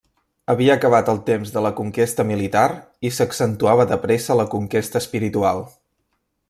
Havia acabat el temps de la conquesta militar i s'accentuava de pressa la conquesta espiritual.